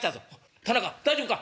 「田中大丈夫か？